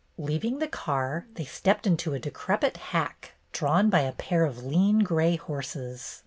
Leaving the car, they stepped into a decrepit hack, drawn by a pair of lean gray horses.